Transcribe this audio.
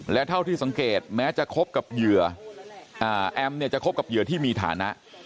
และเท่าที่สังเกตแม้จะคบกับเหยื่อแอมเนี่ยจะคบกับเหยื่อที่มีฐานะ